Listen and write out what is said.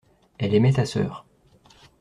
Elle aimait ta sœur.